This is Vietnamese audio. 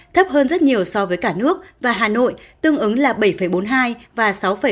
thấp hơn rất nhiều so với cả nước và hà nội tương ứng là bảy bốn mươi hai và sáu bảy